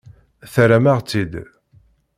Terram-aɣ-tt-id.